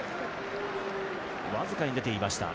僅かに出ていました。